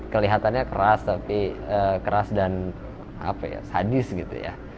kelihatannya keras tapi keras dan sadis gitu ya